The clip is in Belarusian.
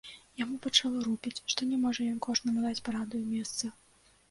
Яму пачало рупець, што не можа ён кожнаму даць параду і месца.